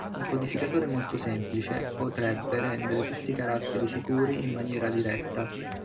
Un codificatore molto semplice potrebbe rendere tutti i caratteri sicuri in maniera diretta.